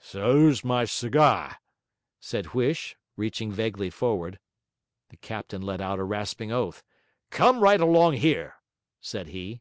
''S lose my ciga',' said Huish, reaching vaguely forward. The captain let out a rasping oath. 'Come right along here,' said he.